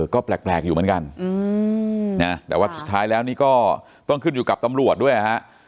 ก็แปลกอยู่เหมือนกันแต่ว่าสุดท้ายแล้วนี่ก็ต้องขึ้นอยู่กับตำรวจด้วยฮะ